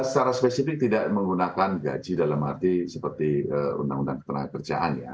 secara spesifik tidak menggunakan gaji dalam arti seperti undang undang ketenagakerjaan ya